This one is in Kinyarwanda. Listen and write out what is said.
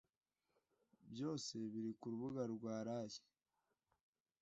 byose biri ku rubuga rwa layi.